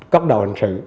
cấp đầu hình sự